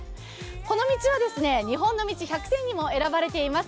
この道は日本の道１００選にも選ばれています。